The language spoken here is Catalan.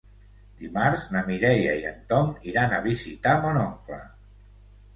Dimarts na Mireia i en Tom iran a visitar mon oncle.